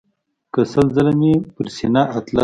که سل ځله مې پر سینه اطلس ومیښ.